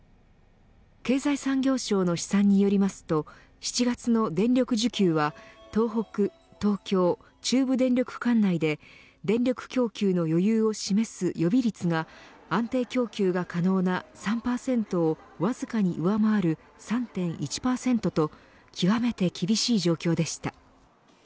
経済産業省の試算によりますと７月の電力需給は東北、東京、中部電力管内で電力供給の余裕を示す予備率が安定供給が可能な３％をわずかに上回る３．１％と極めて厳しい状況でした。